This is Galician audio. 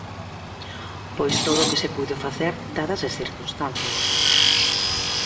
Pois todo o que se puido facer dadas as circunstancias.